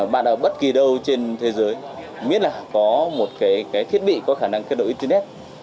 mà ở bất kỳ đâu trên thế giới biết là có một cái thiết bị có khả năng kết nối internet